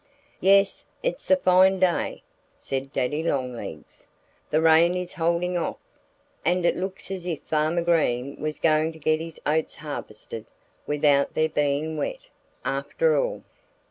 "Yes! It's a fine day," said Daddy Longlegs. "The rain is holding off. And it looks as if Farmer Green was going to get his oats harvested without their being wet, after all."